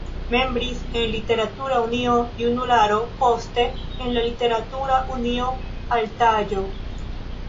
Membris en Literatura Unio "Junularo", poste en Literatura unio "Altaĵo".